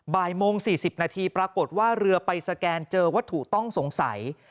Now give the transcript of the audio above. บ่ายโมง๔๐นาทีปรากฏว่าเรือไปสแกนเจอวัตถุต้องสงสัย